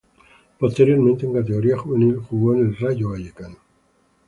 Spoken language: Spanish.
Posteriormente, en categoría Juvenil, jugó en el Rayo Vallecano.